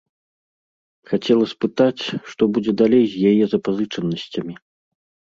Хацела спытаць, што будзе далей з яе запазычанасцямі.